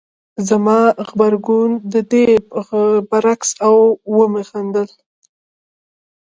زما غبرګون د دې برعکس و او ومې خندل